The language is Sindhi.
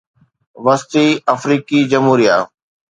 وسطي آفريقي جمهوريه